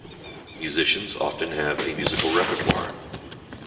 Musicians often have a musical repertoire.